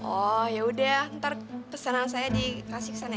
oh yaudah ntar pesanan saya dikasih kesana ya